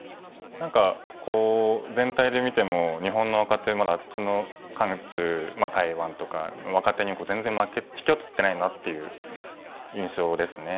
何かこう全体で見ても日本の若手あっちの韓中台湾とかの若手に全然引けを取ってないなっていう印象ですね。